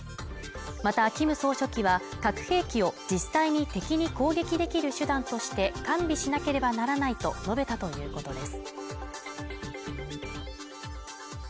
またキム総書記は核兵器を実際に敵に攻撃できる手段として完備しなければならないと述べたということです。